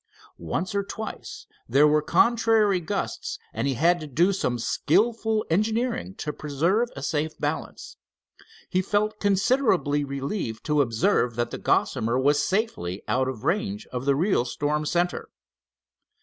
Once or twice there were contrary gusts, and he had to do some skillful engineering to preserve a safe balance. He felt considerably relieved to observe that the Gossamer was safely out of range of the real storm center.